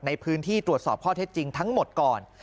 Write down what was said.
ในพื้นที่ตรวจสอบข้อเท็จจริงทั้งหมดก่อน